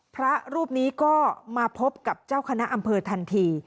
พระรูปนี้ก็มาพบกับเจ้าคณะอำเภอทันที